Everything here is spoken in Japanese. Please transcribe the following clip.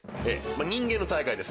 人間の大会です。